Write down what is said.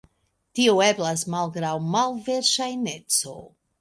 Tio eblas malgraŭ malverŝajneco.